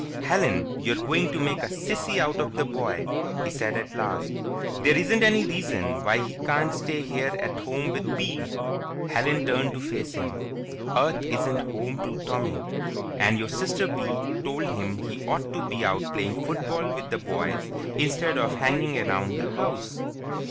"Helen, you're going to make a sissy out of the boy," he said at last. "There isn't any reason why he can't stay here at home with Bee." Helen turned to face him. "Earth isn't home to Tommy. And your sister Bee told him he ought to be out playing football with the boys instead of hanging around the house."